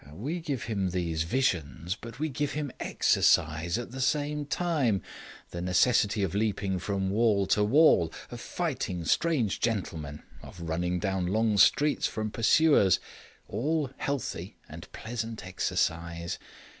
We give him these visions, but we give him exercise at the same time, the necessity of leaping from wall to wall, of fighting strange gentlemen, of running down long streets from pursuers all healthy and pleasant exercises.